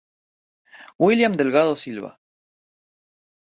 William Delgado Silva.